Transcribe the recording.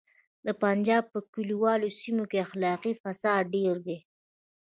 د پنجاب په کلیوالو سیمو کې اخلاقي فساد ډیر دی